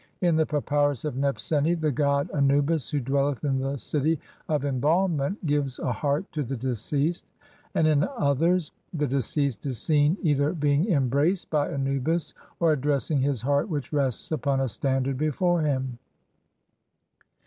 In the Papyrus of Nebseni (sheet 5) the god "Anubis who dwelleth in the city of embalmment" gives a heart to the deceased ; and in others (see Naville, Todtenbuch, Bd. I. Bl. 37) the de ceased is seen either being embraced by Anubis or addressing his heart which rests upon a standard before him.